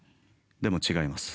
でも違います。